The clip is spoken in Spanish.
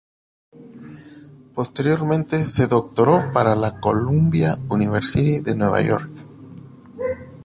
Posteriormente se doctoró por la Columbia University de Nueva York.